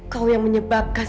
kamu pembunuh abang